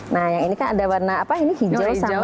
nah yang ini kan ada warna apa ini hijau sama